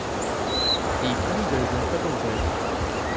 Die Flügel sind verdunkelt.